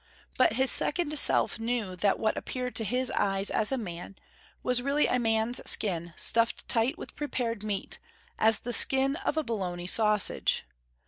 But his second self knew that what appeared to his eyes as a man was really a man's skin stuffed tight with prepared meat, as the skin of a Bologna sausage.